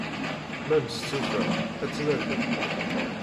Ma nestufa, ad tt-nalel.